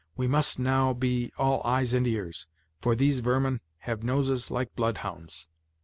We must now be all eyes and ears, for these vermin have noses like bloodhounds."